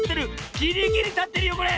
ギリギリたってるよこれ！